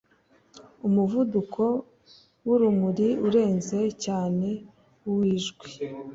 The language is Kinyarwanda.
Umuvuduko wurumuri urenze cyane uwijwi